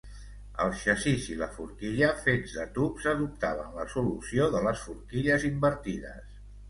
El xassís i la forquilla, fets de tubs, adoptaven la solució de les forquilles invertides.